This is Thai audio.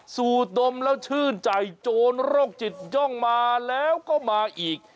สูดดมแล้วชื่นใจโจรโรคจิตย่องมาแล้วก็มาอีก